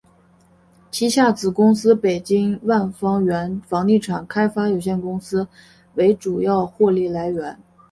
旗下子公司北京万方源房地产开发有限公司为主要获利来源。